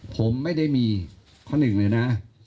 ผมไม่ได้มีข้อหนึ่งเลยนะ